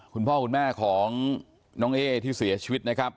คุณพ่อคุณแม่ของน้องเอ๊ที่เสียชีวิตนะครับ